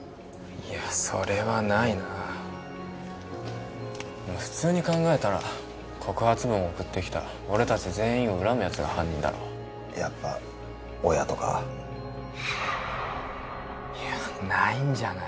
それはないな普通に考えたら告発文を送ってきた俺達全員を恨むやつが犯人だろやっぱ親とかいやないんじゃない？